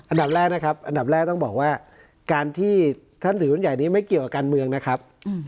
อันดับแรกนะครับอันดับแรกต้องบอกว่าการที่ท่านถือหุ้นใหญ่นี้ไม่เกี่ยวกับการเมืองนะครับ